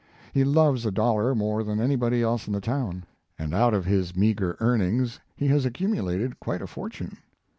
He loves a dollar more than anybody else in the town, and out of his meagre earnings he has accumulated quite a fortune.